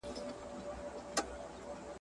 نه معلوم یې چاته لوری نه یې څرک سو.